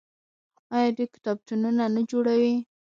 آیا دوی کتابتونونه نه جوړوي؟